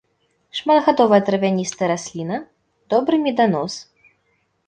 Шматгадовая травяністая расліна, добры меданос.